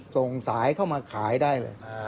ส่งสายเข้ามาขายได้เลย